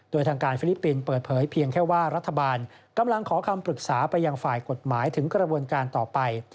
โดยทางการฟิลิปปินส์เปิดเผยเพียงแค่ว่ารัฐบาลกำลังขอคำปรึกษาไปยังฝ่ายกฎหมายถึงกระบวนการต่อไป